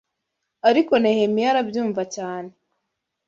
Ariko Nehemiya arabyumva cyane